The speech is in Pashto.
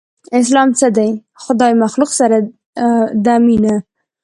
اسلام څه دی؟ خدای مخلوق سره ده مينه